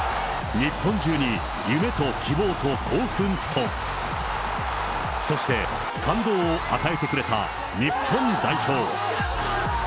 日本中に、夢と希望と興奮と、そして感動を与えてくれた日本代表。